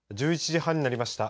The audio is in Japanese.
１１時半になりました。